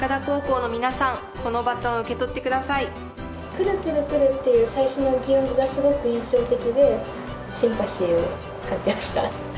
「ぷるぷるぷる」っていう最初の擬音語がすごく印象的でシンパシーを感じました。